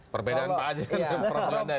perbedaan apa aja